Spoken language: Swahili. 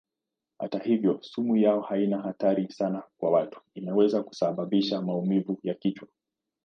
Hata hivyo sumu yao haina hatari sana kwa watu; inaweza kusababisha maumivu ya kichwa.